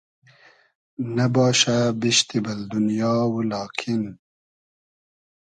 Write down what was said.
نئباشۂ بیشتی بئل دونیا و لاکین